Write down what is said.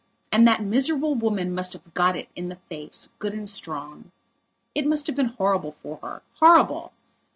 And that miserable woman must have got it in the face, good and strong. It must have been horrible for her. Horrible!